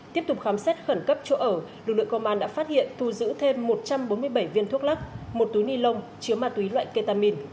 tiếp tục khám xét khẩn cấp chỗ ở lực lượng công an đã phát hiện thu giữ thêm một trăm bốn mươi bảy viên thuốc lắc một túi ni lông chứa ma túy loại ketamin